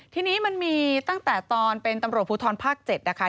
ทีนี้มันมีตั้งแต่ตอนเป็นตำรวจภูทรภาค๗นะคะ